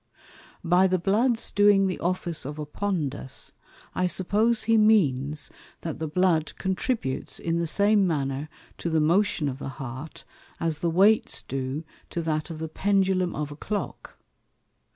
By the Bloods doing the Office of a Pondus, I suppose he means, that the Blood contributes in the same manner to the motion of the Heart, as the Weights do to that of the Pendulum of a Clock.